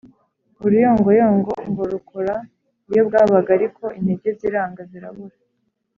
» uruyongoyongo ngo rukora iyo bwabaga ariko intege ziranga zirabura